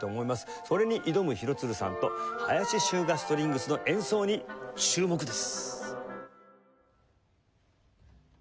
それに挑む廣津留さんと林周雅ストリングスの演奏に注目です！